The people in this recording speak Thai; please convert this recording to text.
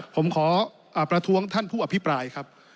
ผมขอประท้วงท่านผู้อภิปรายครับ